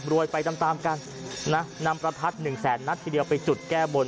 ไปตามตามกันนะนำประทัดหนึ่งแสนนัดทีเดียวไปจุดแก้บน